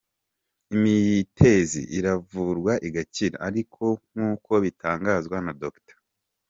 Imitezi iravurwa igakira, ariko nk’uko bitangazwa na Dr.